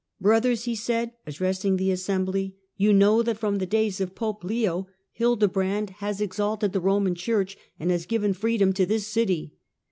" Brothers," he said, ad dressing the assembly, "you know that from the days of Pope Leo, Hildebrand has exalted the Eoman Church, and has given freedom to this city.